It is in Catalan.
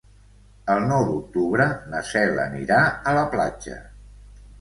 El nou d'octubre na Cel anirà a la platja.